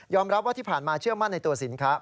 รับว่าที่ผ่านมาเชื่อมั่นในตัวสินค้า